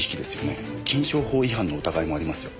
金商法違反の疑いもありますよ。